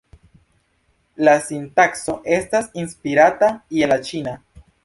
La sintakso estas inspirata je la ĉina.